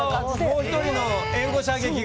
もう１人の援護射撃が。